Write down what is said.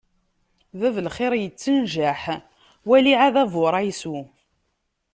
Bab n lxiṛ ittenjaḥ, wali ɛad aburaysu!